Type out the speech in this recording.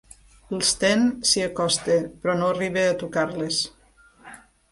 L'Sten s'hi acosta, però no arriba a tocar-les.